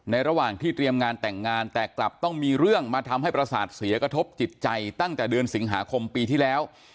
ระหว่างที่เตรียมงานแต่งงานแต่กลับต้องมีเรื่องมาทำให้ประสาทเสียกระทบจิตใจตั้งแต่เดือนสิงหาคมปีที่แล้ว